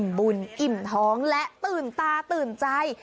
บุญอิ่มท้องและตื่นตาตื่นใจ